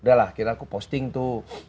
udah lah kita aku posting tuh